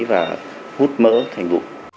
và hút mỡ thành vụng